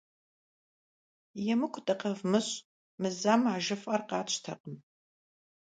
ЕмыкӀу дыкъэвмыщӀ, мы зэм а жыфӀэр къатщтэкъым.